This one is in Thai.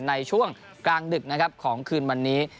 ในช่วงกลางดึกของคืนวันนี้